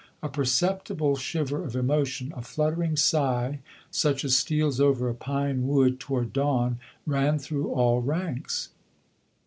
A perceptible shiver of emotion, a fluttering sigh such as steals over a pine wood toward dawn ran through all ranks.